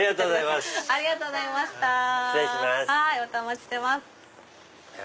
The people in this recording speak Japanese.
またお待ちしてます。